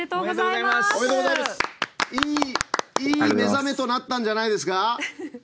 いい目覚めとなったんじゃないですか。